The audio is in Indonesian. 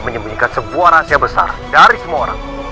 menyembunyikan sebuah rahasia besar dari semua orang